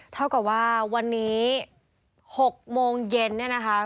เท่ากับว่าวันนี้๖โมงเย็นเนี่ยนะคะ